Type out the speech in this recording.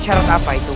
syarat apa itu